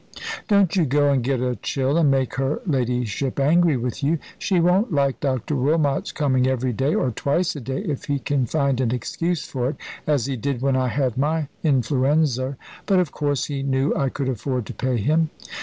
"Don't you go and get a chill and make her ladyship angry with you. She won't like Dr. Wilmot's coming every day, or twice a day if he can find an excuse for it as he did when I had my influenzer. But, of course, he knew I could afford to pay him.